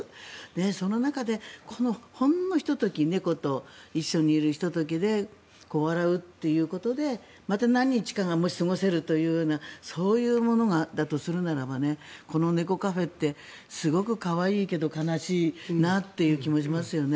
その中で、ほんのひと時猫と一緒にいるひと時で笑うということでまた何日かが過ごせるというそういうものだとするならばこの猫カフェってすごく可愛いけど悲しいなという気がしますよね。